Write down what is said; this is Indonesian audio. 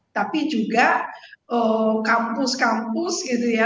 tapi juga kampus kampus gitu ya